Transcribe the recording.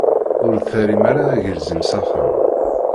Ur d-terrim ara agelzim s axxam.